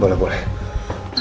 sudah boleh kaya gini sih pak